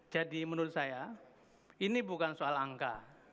jadi menurut saya ini bukan soal angka